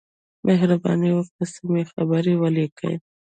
مهرباني وکړئ سمې جملې ولیکئ.